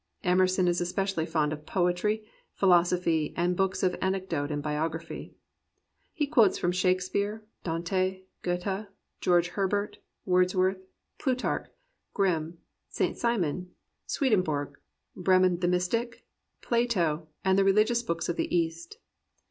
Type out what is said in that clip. Emerson is especially fond of poetry, philosophy and books of anecdote and biography. He quotes from Shake speare, Dante, Goethe, George Herbert, Words worth, Plutarch, Grimm, St. Simon, Swedenborg, Behmen the mystic, Plato, and the religious books of the East.